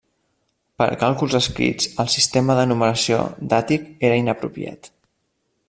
Per a càlculs escrits el sistema de numeració d'Àtic era inapropiat.